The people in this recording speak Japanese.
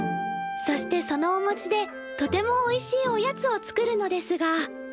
そしてそのおもちでとてもおいしいおやつを作るのですが。